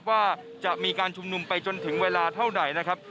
ว่าจะมีการชุมนุมไปจนถึงเวลาเท่าไหนนะครับ